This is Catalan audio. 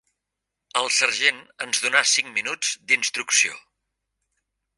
El sergent ens donà cinc minuts de «instrucció»